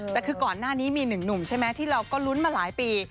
แต่คือก่อนหน้านี้มีหนึ่งหนุ่มใช่ไหมที่เราก็ลุ้นมาหลายปี